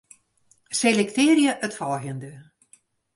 Selektearje it folgjende.